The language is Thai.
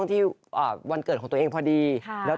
ที่วันเกิดเขาก็ผ่านมาหลายปีแล้ว